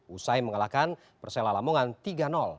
usai mengalahkan persela lamongan tiga